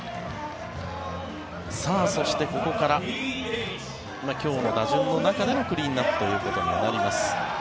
そして、ここから今日の打順の中でのクリーンアップとなります。